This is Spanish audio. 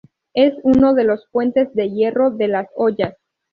Es uno de los puentes de hierro de Las Hoyas.